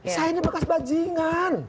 saya ini bekas bajingan